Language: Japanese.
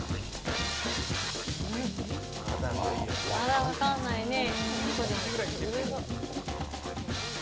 まだわかんないね。